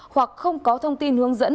hoặc không có thông tin hướng dẫn